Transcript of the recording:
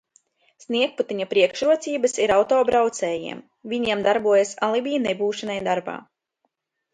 Sniegputeņa priekšrocības ir autobraucējiem, viņiem darbojas alibi nebūšanai darbā.